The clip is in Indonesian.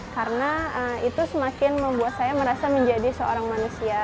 karena itu semakin membuat saya merasa menjadi seorang manusia